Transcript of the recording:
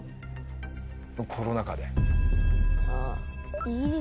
コロナ禍で。